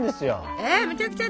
えむちゃくちゃ？